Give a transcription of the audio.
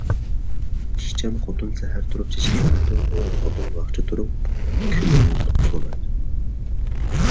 ئىشچان خوتۇن سەھەر تۇرۇپ چېچىنى تارايدۇ، ھۇرۇن خوتۇن ۋاقچە تۇرۇپ كۈلۈڭنى كولايدۇ.